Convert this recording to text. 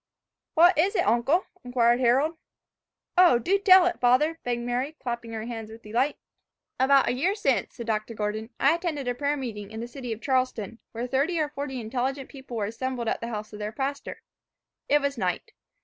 "What is it, uncle?" inquired Harold. "O, do tell it, father," begged Mary, clapping her hands with delight. "About a year since," said Dr. Gordon, "I attended a prayer meeting in the city of Charleston, where thirty or forty intelligent people were assembled at the house of their pastor. It was night.